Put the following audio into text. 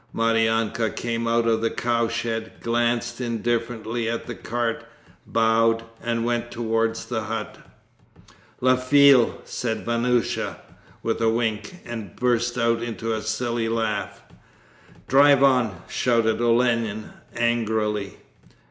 Maryanka came out of the cowshed, glanced indifferently at the cart, bowed and went towards the hut. 'LA FILLE!' said Vanyusha, with a wink, and burst out into a silly laugh. 'Drive on!' shouted Olenin, angrily.